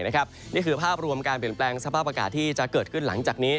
นี่คือภาพรวมการเปลี่ยนแปลงสภาพอากาศที่จะเกิดขึ้นหลังจากนี้